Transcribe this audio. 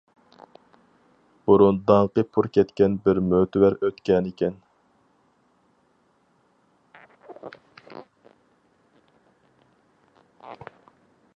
بۇرۇن داڭقى پۇر كەتكەن بىر مۆتىۋەر ئۆتكەنىكەن.